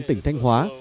tỉnh thanh hóa